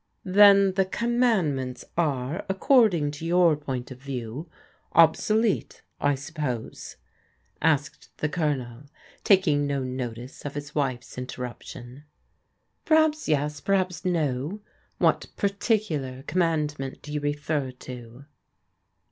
"Then the Commandments are, according to your point of view, obsolete, I suppose ?" asked the Colonel, taking no notice of his wife's interruption. " Perhaps yes, perhaps no. What particular conmiand ment do you refer to